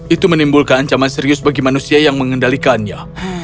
itu menimbulkan ancaman serius bagi manusia yang mengendalikannya